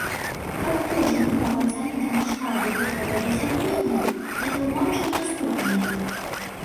Каб кожны мог ацаніць маштабы гэтага дасягнення, патлумачым наступнае.